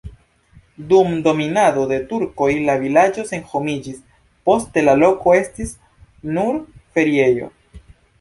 Dum dominado de turkoj la vilaĝo senhomiĝis, poste la loko estis nur feriejo.